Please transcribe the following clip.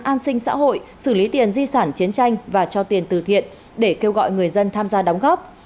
an sinh xã hội xử lý tiền di sản chiến tranh và cho tiền từ thiện để kêu gọi người dân tham gia đóng góp